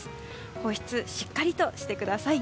保湿しっかりとしてください。